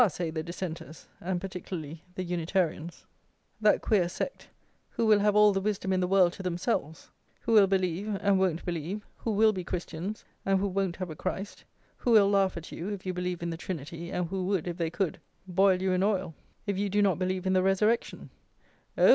say the Dissenters, and particularly the Unitarians; that queer sect, who will have all the wisdom in the world to themselves; who will believe and won't believe; who will be Christians and who won't have a Christ; who will laugh at you, if you believe in the Trinity, and who would (if they could) boil you in oil if you do not believe in the Resurrection: "Oh!"